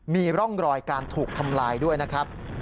มีร่องรอยการถูกทำลายด้วยนะครับ